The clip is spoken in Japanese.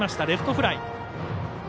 レフトフライ。